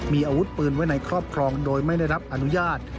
มีอาวุธปืนไว้ในครอบครองโดยไม่ได้รับอนุญาต